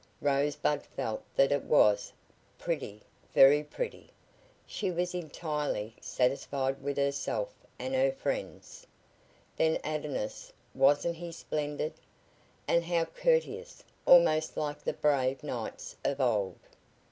Rosebud felt that it was, pretty very pretty. She was entirely satisfied with herself and her friends. Then Adonis wasn't he splendid? And how courteous almost like the brave knights of old.